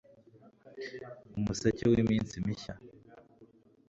Umuseke wiminsi mishya